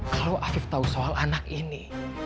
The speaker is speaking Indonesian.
kalau afif tahu soal anak ini